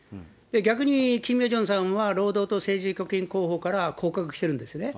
逆にキム・ヨジョンさんは労働党政治局員候補から降格してるんですね。